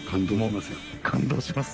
感動します。